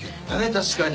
確かに。